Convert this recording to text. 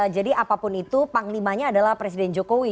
jadi apapun itu panglimanya adalah presiden jokowi